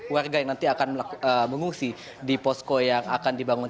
warga yang nanti akan mengungsi di posko yang akan dibangun